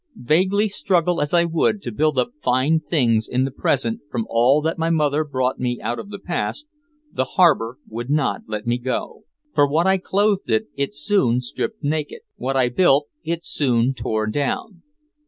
Vaguely struggle as I would to build up fine things in the present from all that my mother brought out of the past, the harbor would not let me. For what I clothed it soon stripped naked, what I built it soon tore down.